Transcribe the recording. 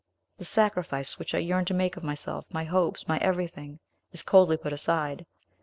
The sacrifice which I yearn to make of myself, my hopes, my everything, is coldly put aside.